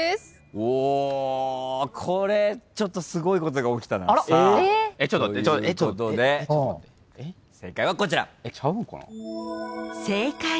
おこれちょっとすごいことが起きたな。ということで正解はこちら。